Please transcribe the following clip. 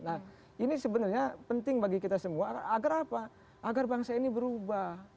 nah ini sebenarnya penting bagi kita semua agar apa agar bangsa ini berubah